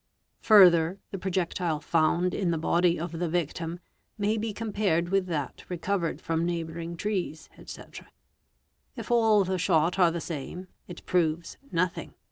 '. Further, the projectile found in the body of the victim may be com pared with that recovered from neighbouring trees, &c. If all the shot are the same, it proves nothing.